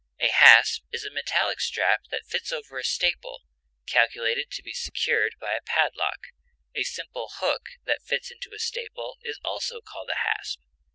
A hasp is a metallic strap that fits over a staple, calculated to be secured by a padlock; a simple hook that fits into a staple is also called a hasp.